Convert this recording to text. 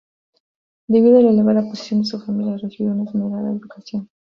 Debido a la elevada posición de su familia, recibió una esmerada educación.